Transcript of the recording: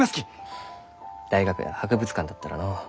大学や博物館だったらのう。